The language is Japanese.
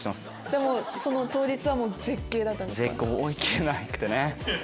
でもその当日はもう絶景だったんですか？